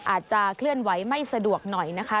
อาจจะเคลื่อนไหวไม่สะดวกหน่อยนะคะ